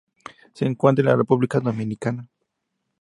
Se encuentra en la República Dominicana.